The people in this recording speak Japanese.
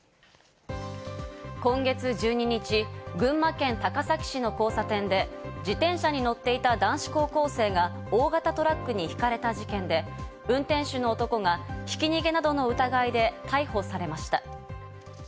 今月１２日、群馬県高崎市の交差点で、自転車に乗っていた男子高校生が大型トラックにひかれた事件で、運転手の男がひき逃げなどの疑いで逮捕されました。